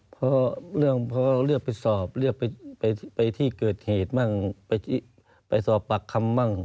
เพราะเรื่องพอเรียกไปสอบเรียกไปที่เกิดเหตุมั่งไปสอบปากคำมั่ง